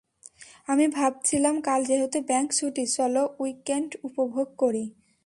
আমি ভাবছিলাম কাল যেহেতু ব্যাংক ছুটি, চলো উইকেন্ড উপভোগ করি।